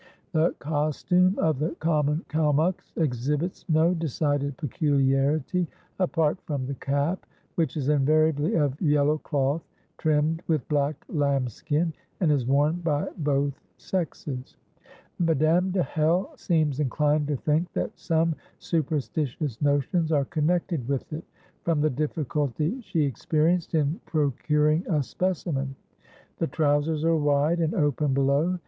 The costume of the common Kalmuks exhibits no decided peculiarity, apart from the cap, which is invariably of yellow cloth trimmed with black lambskin, and is worn by both sexes. Madame de Hell seems inclined to think that some superstitious notions are connected with it, from the difficulty she experienced in procuring a specimen. The trousers are wide and open below.